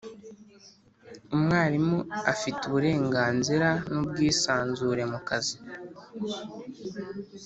Umwarimu afite uburenganzira n’ubwisanzure mu kazi